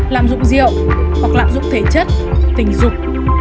làm dụng rượu hoặc lạm dụng thể chất tình dục